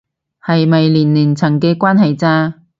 係咪年齡層嘅關係咋